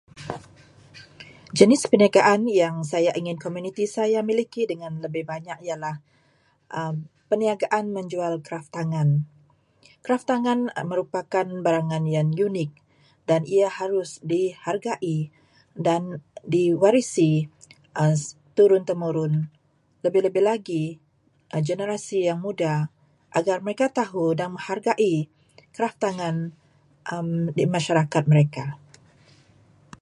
Jenis perniagaan yang saya ingin komuniti saya miliki dengan lebih banyak ialah perniagaan menjual kraftangan. Kraftangan merupakan barangan yang unik dan ia harus dihargai dan diwarisi turun-temurun. Lebih-lebih lagi generasi yang muda agar mereka tahu dan hargai kraftangan masyarakat mereka.